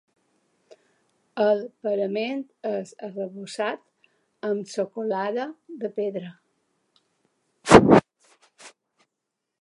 El parament és arrebossat amb socolada de pedra.